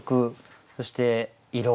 そして色。